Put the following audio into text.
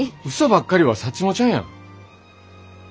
うそばっかりはサッチモちゃんやん。